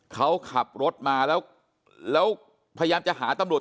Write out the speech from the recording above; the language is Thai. เขาขับรถมาแล้วแล้วพยายามจะหาตำรวจ